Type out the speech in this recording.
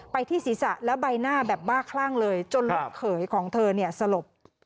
ที่ศีรษะและใบหน้าแบบบ้าคลั่งเลยจนลูกเขยของเธอเนี่ยสลบ